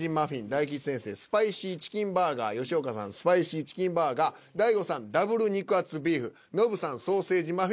大吉先生「スパイシーチキンバーガー」吉岡さん「スパイシーチキンバーガー」大悟さん「ダブル肉厚ビーフ」ノブさん「ソーセージマフィン」